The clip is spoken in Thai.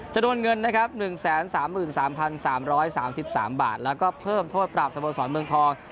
จะโดนเงินครับ๑แสน๓๓๓๓๓บาทแล้วก็เพิ่มโทษปรับสมสรรค์เมืองทอง